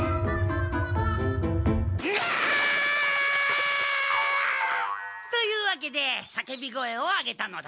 ぎゃっ！というわけでさけび声を上げたのだ。